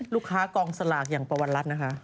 ลูกค้ากองสลากอย่างปวรรณรัฐนะคะ